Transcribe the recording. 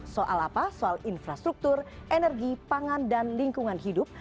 soal apa soal infrastruktur energi pangan dan lingkungan hidup